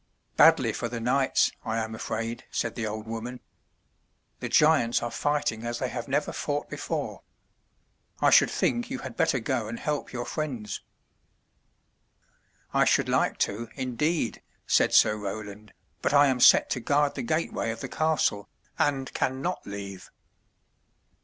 "Badly for the knights, I am afraid,*' said the old woman. *'The giants are fighting as they have never fought before. I should think you had better go and help your friends.'' *'I should like to, indeed," said Sir Roland. But I am set to guard the gateway of the castle, and can not leave."